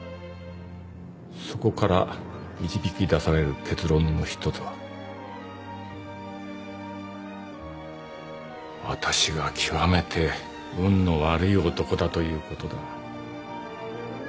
そこから導き出される結論の一つはわたしが極めて運の悪い男だということだ。